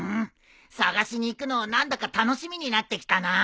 探しに行くの何だか楽しみになってきたな。